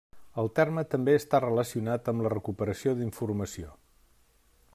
El terme també està relacionat amb la recuperació d'informació.